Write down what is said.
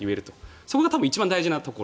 それが一番大事なところ。